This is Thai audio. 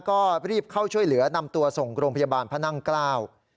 ก็รีบเข้าช่วยเหลือนำตัวส่งโรงพยาบาลพระนั่งเกล้า